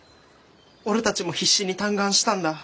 俺たちも必死に嘆願したんだ。